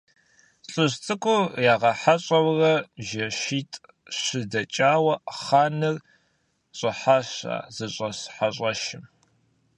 ЛӀыжь цӀыкӀур ягъэхьэщӀэурэ жэщитӀ-щы дэкӀауэ, хъаныр щӀыхьащ ар зыщӀэс хьэщӀэщым.